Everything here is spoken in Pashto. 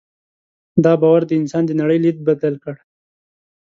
دا باور د انسان د نړۍ لید بدل کړ.